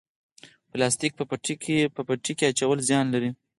پلاستیک په پټي کې اچول زیان لري؟